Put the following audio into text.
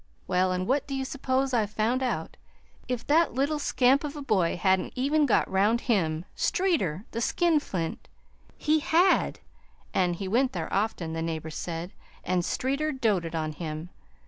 Well, an' what do you s'pose I found out? If that little scamp of a boy hadn't even got round him Streeter, the skinflint! He had an' he went there often, the neighbors said; an' Streeter doted on him.